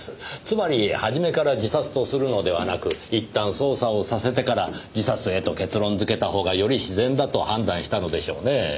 つまり初めから自殺とするのではなくいったん捜査をさせてから自殺へと結論づけたほうがより自然だと判断したのでしょうねぇ。